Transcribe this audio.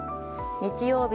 日曜日